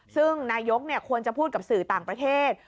ซึ่งนายกควรจะพูดกับสื่อต่างประเทศ